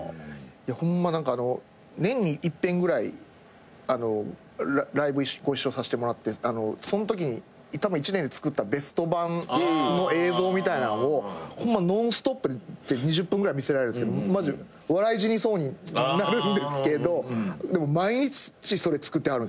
ホンマ何かあの年に一遍ぐらいライブご一緒させてもらってそのときにたぶん１年で作ったベスト盤の映像みたいなのをホンマノンストップで２０分ぐらい見せられるんですけどマジ笑い死にそうになるんですけど毎日それ作ってはるんですよね。